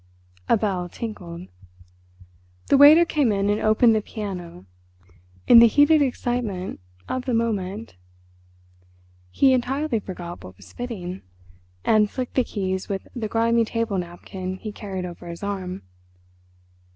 A bell tinkled. The waiter came in and opened the piano. In the heated excitement of the moment he entirely forgot what was fitting, and flicked the keys with the grimy table napkin he carried over his arm.